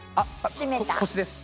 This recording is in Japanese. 腰です。